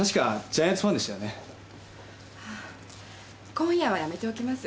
今夜はやめておきます。